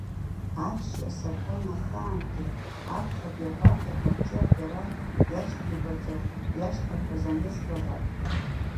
Ачча сакуан ахаангьы, аԥхьатәи апартақәа рҿы атәара иашьҭеибаҵо иашьҭақәаз анызбалак.